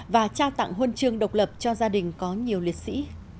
và trao tặng huân chương độc lập cho gia đình có nhiều liệt sĩ